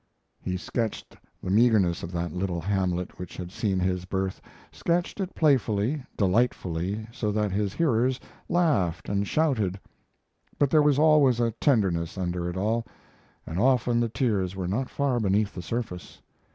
He sketched the meagerness of that little hamlet which had seen his birth, sketched it playfully, delightfully, so that his hearers laughed and shouted; but there was always a tenderness under it all, and often the tears were not far beneath the surface.